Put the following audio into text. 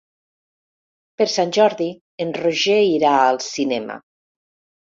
Per Sant Jordi en Roger irà al cinema.